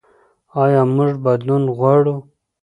ایا موږ بدلون غواړو؟